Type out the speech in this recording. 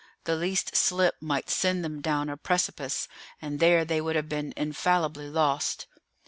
The least slip might send them down a precipice, and there they would have been infallibly lost.